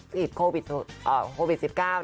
ติดโควิด๑๙นะคะ